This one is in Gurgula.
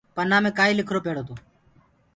پنآ مي ڪآئيٚ لکرو پيڙو تو۔